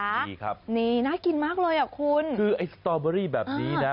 ดีครับนี่น่ากินมากเลยอ่ะคุณคือไอ้สตอเบอรี่แบบนี้นะ